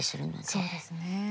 そうですね。